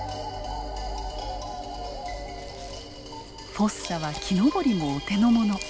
フォッサは木登りもお手の物。